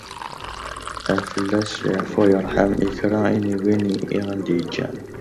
Ad fell-asen yeɛfu yerḥem i kra n wid i aɣ-yeǧǧan.